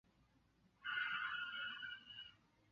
现在普雷斯顿车站共有八个月台。